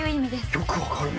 よく分かるね！